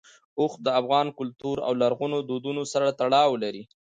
اوښ د افغان کلتور او لرغونو دودونو سره تړاو لري.